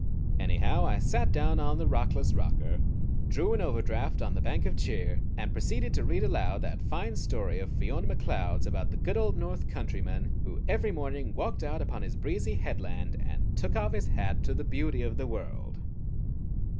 Anyhow I sat down on the rockless rocker, drew an overdraft on the bank of cheer, and proceeded to read aloud that fine story of Fiona Macleod's about the good old North Countryman who every morning walked out upon his breezy headland and "took off his hat to the beauty of the world."